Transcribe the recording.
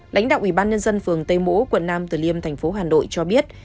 lãnh đạo ủy ban nhân dân phường tây mỗ quận năm tờ liêm tp hà nội cho biết